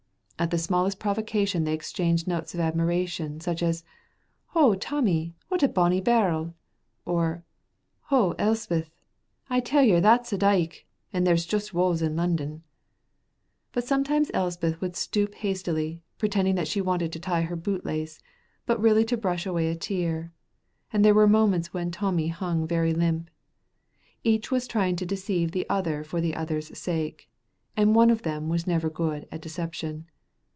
At the smallest provocation they exchanged notes of admiration, such as, "O Tommy, what a bonny barrel!" or "O Elspeth, I tell yer that's a dike, and there's just walls in London;" but sometimes Elspeth would stoop hastily, pretending that she wanted to tie her boot lace, but really to brush away a tear, and there were moments when Tommy hung very limp. Each was trying to deceive the other for the other's sake, and one of them was never good at deception.